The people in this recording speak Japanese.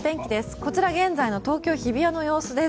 こちらは現在の東京・日比谷の様子です。